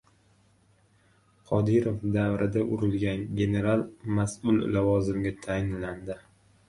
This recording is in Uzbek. «Qodirov davri»da «urilgan» general mas’ul lavozimga tayinlandi